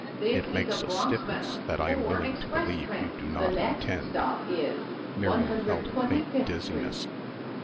It makes a stiffness that I am willing to believe you do not intend." Miriam felt a faint dizziness.